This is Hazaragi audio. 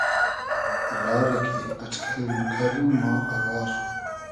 را رۂ کی اݖکئل موکئدوم ما اوار